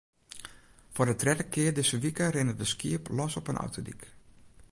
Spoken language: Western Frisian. Foar de tredde kear dizze wike rinne der skiep los op in autodyk.